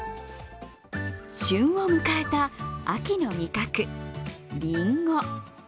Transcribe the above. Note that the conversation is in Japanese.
旬を迎えた秋の味覚、りんご。